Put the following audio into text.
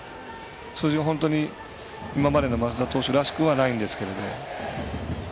数字が本当に今までの増田投手らしくはないんですけども。